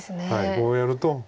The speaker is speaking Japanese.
こうやると。